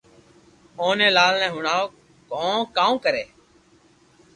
اوني لال ني ھڻاو ڪو ڪاوُ ڪري